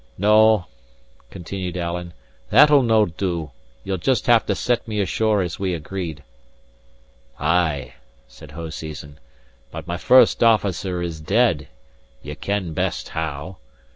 "No," continued Alan, "that'll no do. Ye'll just have to set me ashore as we agreed." "Ay," said Hoseason, "but my first officer is dead ye ken best how.